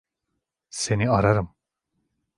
Seni ararım.